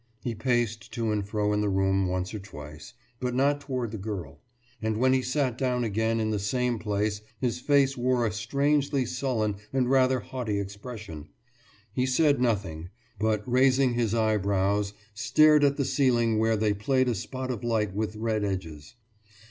He paced to and fro in the room once or twice, but not toward the girl; and when he sat down again in the same place his face wore a strangely sullen and rather haughty expression. He said nothing, but, raising his eyebrows, stared at the ceiling where there played a spot of light with red edges.